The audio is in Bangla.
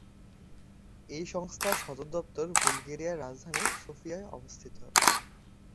এই সংস্থার সদর দপ্তর বুলগেরিয়ার রাজধানী সফিয়ায় অবস্থিত।